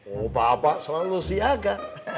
oh bapak selalu siaga